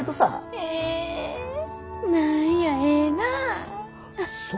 え何やええなぁ。